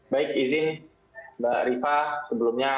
baik izin mbak rifa sebelumnya